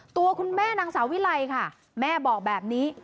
ตัวคุณแม่นางสาววิไลค่ะแม่บอกแบบนี้